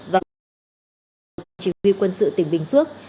và một người tại huyện bình phước